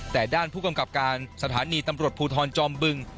แต่ด้านผู้กำกับการสถานีตำรวจภูทรจอมบึง